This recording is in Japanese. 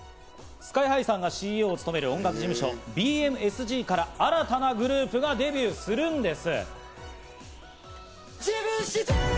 ＳＫＹ−ＨＩさんがＣＥＯを務める、音楽事務所・ＢＭＳＧから新たなグループがデビューするんです。